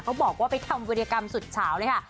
บอกว่าไปทำวิธีกรรมสุดเฉาเลยค่ะ